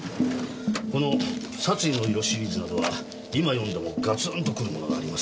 この『殺意の色』シリーズなどは今読んでもガツンとくるものがありますよ。